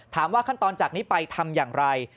ขั้นตอนจากนี้ไปทำอย่างไร